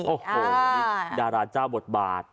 โอ้โหดาราเจ้าบทบาท